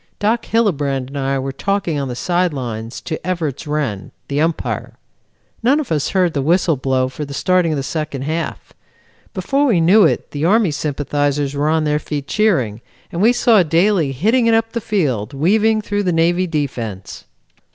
Doc Hillebrand and I were talking on the side lines to Evarts Wrenn, the Umpire. None of us heard the whistle blow for the starting of the second half. Before we knew it the Army sympathizers were on their feet cheering and we saw Daly hitting it up the field, weaving through the Navy defense.